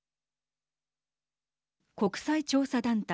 国際調査団体